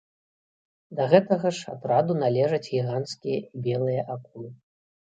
Да гэтага ж атраду належаць гіганцкія і белыя акулы.